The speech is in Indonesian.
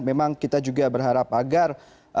memang kita juga berharap agar